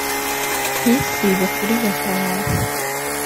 Ntisibe kurigata hasi